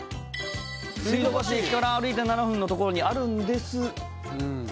水道橋駅から歩いて７分のところにあるんです